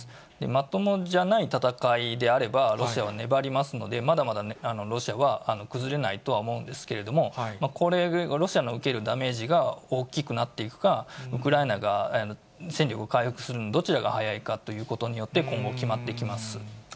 まともじゃない戦いであれば、ロシアは粘りますので、まだまだロシアは崩れないとは思うんですけれども、これでロシアの受けるダメージが大きくなっていくか、ウクライナが戦力を回復するののどちらが早いかということによって、今後決まってきます。